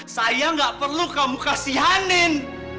saya nggak perlu kamu kasihanin